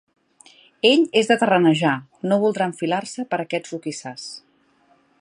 Ell és de terrenejar: no voldrà enfilar-se per aquests roquissars.